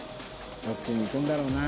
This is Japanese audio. どっちに行くんだろうな？